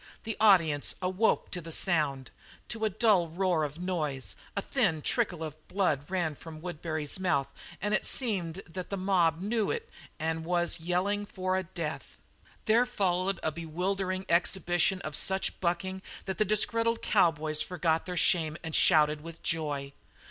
The audience awoke to sound to a dull roar of noise; a thin trickle of blood ran from Woodbury's mouth and it seemed that the mob knew it and was yelling for a death. There followed a bewildering exhibition of such bucking that the disgruntled cowboys forgot their shame and shouted with joy.